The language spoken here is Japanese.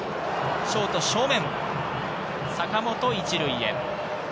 ショート正面、坂本、１塁へ。